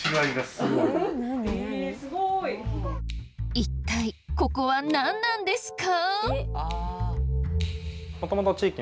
一体ここは何なんですか！？